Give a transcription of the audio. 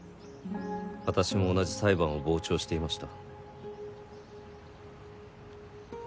私も同じ裁判を傍聴していました。